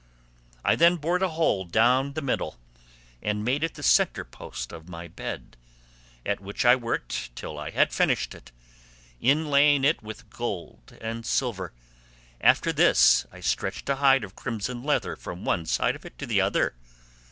I then bored a hole down the middle, and made it the centre post of my bed, at which I worked till I had finished it, inlaying it with gold and silver; after this I stretched a hide of crimson leather from one side of it to the other.